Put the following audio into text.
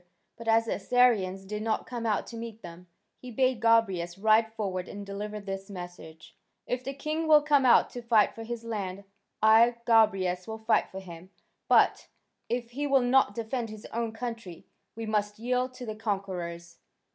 But as the Assyrians did not come out to meet them, he bade Gobryas ride forward and deliver this message: "If the king will come out to fight for his land, I, Gobryas, will fight for him, but, if he will not defend his own country, we must yield to the conquerors."